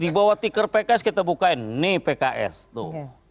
dibawa tiket pks kita bukain nih pks tuh